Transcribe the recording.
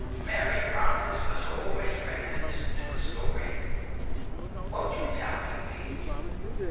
Mary Frances was always ready to listen to a story. "Won't you tell me, please?"